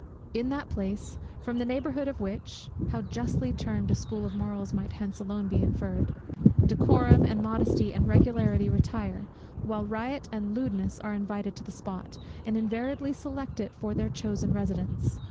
In that place, from the neighbourhood of which, (how justly termed a school of morals might hence alone be inferred) decorum, and modesty, and regularity retire, while riot and lewdness are invited to the spot, and invariably select it for their chosen residence!